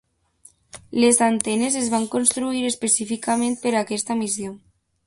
Les antenes es van construir específicament per a aquesta missió.